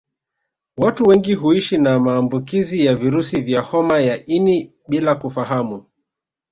Watu wengi huishi na maambukizi ya virusi vya homa ya ini bila kufahamu